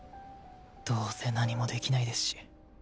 どうせ何もできないですし。